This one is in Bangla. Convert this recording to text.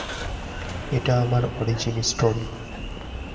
এটা আমার অরিজিন স্টোরি।